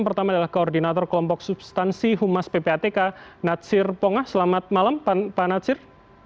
pertama adalah koordinator kelompok substansi humas ppatk natsir pongah selamat malam pak natsir